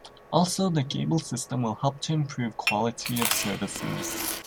Also the cable system will help to improve quality of services.